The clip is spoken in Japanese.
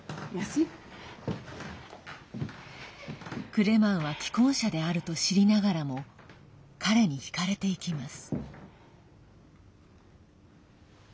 クレマンは既婚者であると知りながらも彼に引かれていきます。